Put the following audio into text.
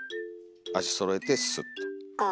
足そろえてスッと。